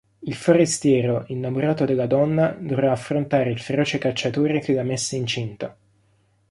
Il forestiero, innamorato della donna, dovrà affrontare il feroce cacciatore che l'ha messa incinta.